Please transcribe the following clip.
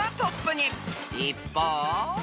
［一方］